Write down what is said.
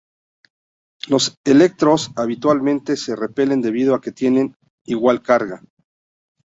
Los electrones habitualmente se repelen debido a que tienen igual carga.